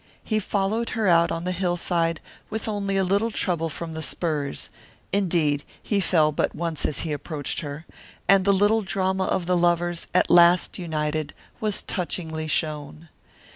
He followed her out on the hillside with only a little trouble from the spurs indeed he fell but once as he approached her and the little drama of the lovers, at last united, was touchingly shown.